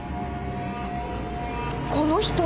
この人！